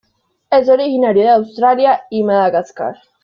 Es originario de Australia y Madagascar.